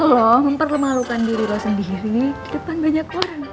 lo mempermalukan diri lo sendiri di depan banyak orang